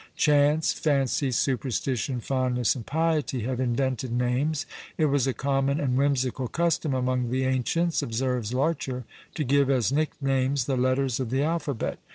Chance, fancy, superstition, fondness, and piety, have invented names. It was a common and whimsical custom among the ancients, (observes Larcher) to give as nicknames the letters of the alphabet.